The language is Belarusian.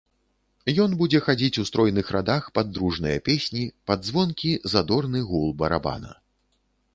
Ён будзе хадзіць у стройных радах пад дружныя песні, пад звонкі, задорны гул барабана.